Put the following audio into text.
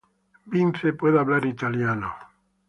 Vince puede hablar Italiano.